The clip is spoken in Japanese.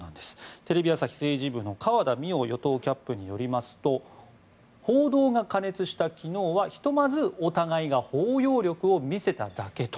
テレビ朝日政治部の河田実央与党キャップによりますと報道が過熱した昨日はひとまずお互いが包容力を見せただけと。